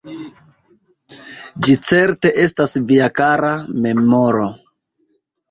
Ĝi certe estas via kara memoro.